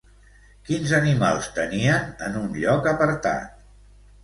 Quins animals tenien en un lloc apartat?